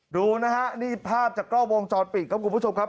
ดูนะฮะนี่ภาพจากกล้อวงจอดปิดครับคุณผู้ชมครับ